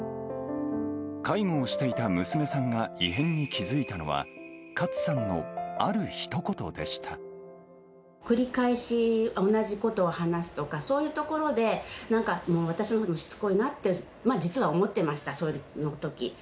介護をしていた娘さんが異変に気付いたのは、カツさんのあるひと繰り返し同じことを話すとか、そういうところで、なんかもう私、しつこいなって実は思ってました、そのとき。